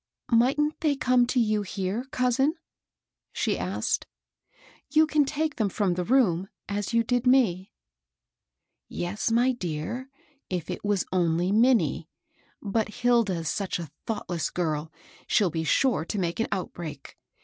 " Mightn't they come to you here, cousin ?" ^e asked. You can take them from the room, as you did me." " Yes, my dear, if it was only Minnie ; but Hilda's such a thoughtless girl, she'll be sure to make an outbreak.